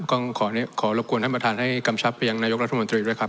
ก็ขอรบกวนท่านประธานให้กำชับไปยังนายกรัฐมนตรีด้วยครับ